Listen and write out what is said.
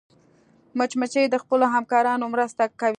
مچمچۍ د خپلو همکارانو مرسته کوي